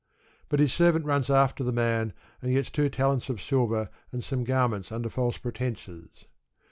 But his servant runs after the man, and gets two talents of silver and some garments under false pretences.